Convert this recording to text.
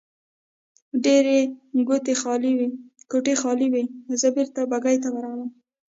ډېرې کوټې خالي وې، زه بېرته بګۍ ته ورغلم.